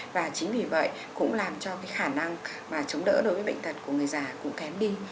và chính vì vậy cũng làm cho cái khả năng mà chống đỡ đối với bệnh tật của người già cũng kém đi